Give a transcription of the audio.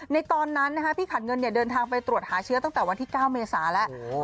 ในตอนนั้นพี่ขันเงินเดินทางไปตรวจหาเชื้อตั้งแต่วันที่๙เมษาแล้ว